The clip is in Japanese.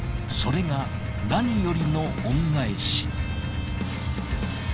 それが何よりの恩返し。